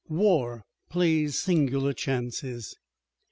War plays singular chances.